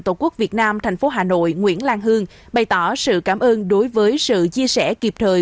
tổ quốc việt nam tp hcm nguyễn lan hương bày tỏ sự cảm ơn đối với sự chia sẻ kịp thời